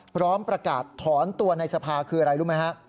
พร้อมประกาศถอนตัวในสภาคืออะไรรู้ไหมฮะ